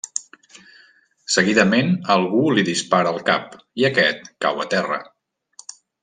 Seguidament algú li dispara al cap i aquest cau a terra.